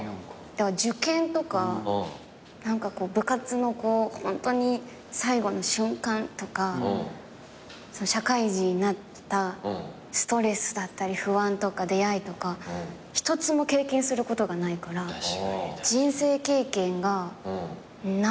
だから受験とか部活のホントに最後の瞬間とか社会人になったストレスだったり不安とか出会いとか一つも経験することがないから人生経験がないってなっちゃって。